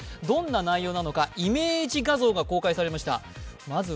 どんな内容なのかイメージ画像が公開されました。